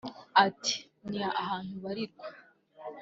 Ati “ Ni ahantu ubarirwa